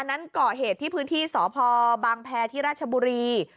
นั้นก่อเหตุที่พื้นที่สพบางแพรที่ราชบุรี